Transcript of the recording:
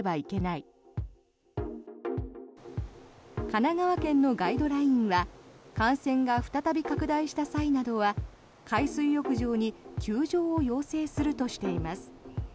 神奈川県のガイドラインは感染が再び拡大した際などは海水浴場に休場を要請するとしています。